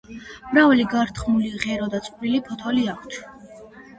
მრავალი გართხმული ღერო და წვრილი ფოთოლი აქვთ.